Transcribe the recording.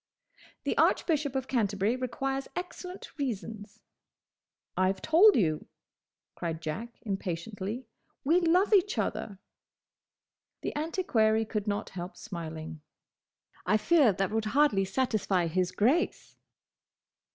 "The Archbishop of Canterbury requires excellent reasons." "I 've told you," cried Jack impatiently, "we love each other!" The antiquary could not help smiling. "I fear that would hardly satisfy his Grace!"